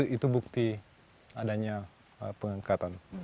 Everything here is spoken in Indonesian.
itu bukti adanya pengangkatan